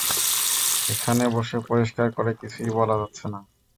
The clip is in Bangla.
এখানে বসে পরিষ্কার করে কিছুই বলা যাচ্ছে না!